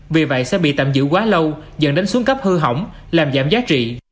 vì vậy sẽ bị tạm giữ quá lâu dẫn đến xuống cấp hư hỏng làm giảm giá trị